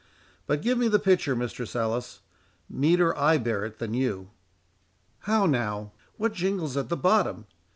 —But give me the pitcher, Mistress Alice—meeter I bear it than you.—How now? what jingles at the bottom?